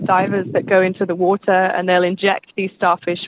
dan apa yang kita dapat lakukan adalah